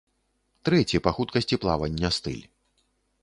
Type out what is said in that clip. Трэці па хуткасці плавання стыль.